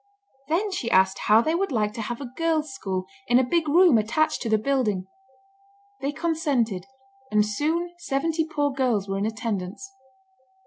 Then she asked how they would like to have a girls' school in a big room attached to the building. They consented, and soon seventy poor girls were in attendance.